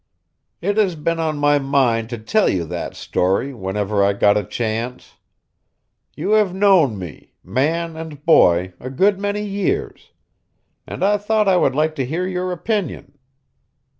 It has been on my mind to tell you that story, whenever I got a chance. You have known me, man and boy, a good many years; and I thought I would like to hear your opinion.